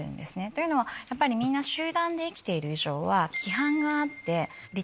というのはやっぱりみんな集団で生きている以上は。